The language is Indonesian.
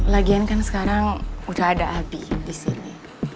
lagian kan sekarang udah ada api di sini